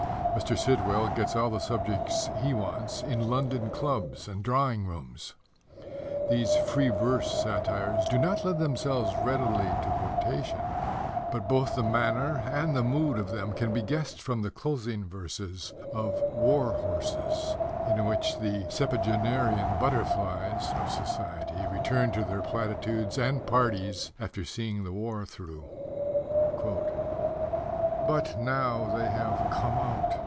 Mr. Sitwell gets all the subjects he wants in London clubs and drawing rooms. These "free verse" satires do not lend themselves readily to quotation, but both the manner and the mood of them can be guessed from the closing verses of War horses, in which the "septuagenarian butterflies" of Society return to their platitudes and parties after seeing the war through: But now They have come out.